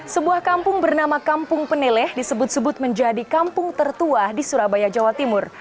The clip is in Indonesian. sebuah kampung bernama kampung peneleh disebut sebut menjadi kampung tertua di surabaya jawa timur